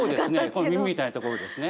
この耳みたいなところですね。